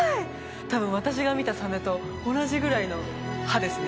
多分私が見たサメと同じぐらいの歯ですね